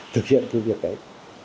thực hiện cái việc đấy